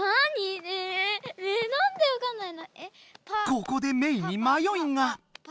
ここでメイにまよいが！